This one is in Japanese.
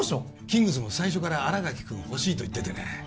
キングスも最初から新垣君を欲しいと言っててね